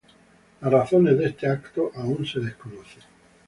Las razones de este acto aún se desconocen.